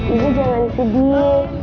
ibu jangan sedih